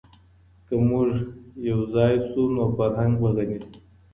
که موږ یو ځای سو نو فرهنګ به غني سي.